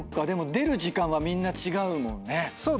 でも出る時間はみんな違うもんね。